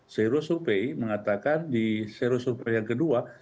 zero surpay mengatakan di zero surpay yang kedua